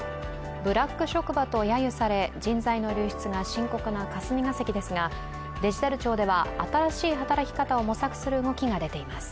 ブラック職場とやゆされ、人材の流出が深刻な霞が関ですが、デジタル庁では、新しい働き方を模索する動きが出ています。